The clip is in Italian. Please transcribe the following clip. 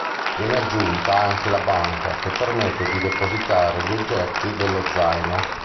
Viene aggiunta anche la banca che permette di depositare gli oggetti dello zaino.